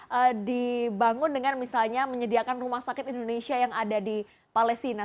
tersebut juga terbangun dengan misalnya menyediakan rumah sakit indonesia yang ada di palestina